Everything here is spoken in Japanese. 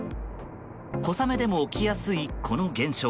小雨でも起きやすい、この現象。